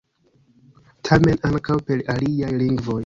Tamen, ankaŭ per aliaj lingvoj